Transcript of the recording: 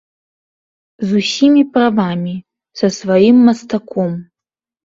З усімі правамі, са сваім мастаком.